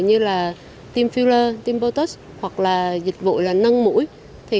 như là team filler team botox hoặc là dịch vụ nâng mũi